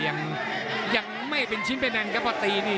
ยังไม่เป็นชิ้นเป็นแนนก็พอตีนี่